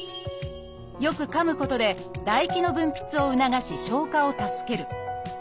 よくかむことで唾液の分泌を促し消化を助ける。